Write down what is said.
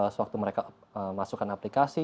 sewaktu mereka masukkan aplikasi